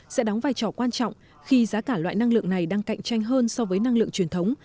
sẽ đóng vai trò quan trọng khi giá cả loại năng lượng này đang cạnh tranh hơn so với năng lượng truyền thống